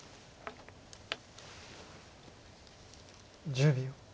１０秒。